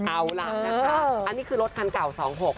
เอาล่ะนะคะอันนี้คือรถคันเก่า๒๖๖